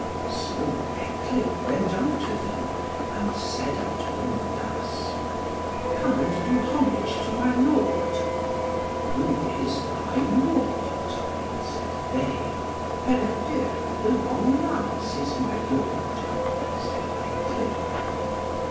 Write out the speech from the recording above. So Etlym went unto them, and said unto them thus "Come and do homage to my lord." "Who is thy lord?" said they. "Peredur with the long lance is my lord," said Etlym.